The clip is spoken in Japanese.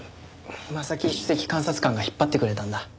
正木首席監察官が引っ張ってくれたんだ。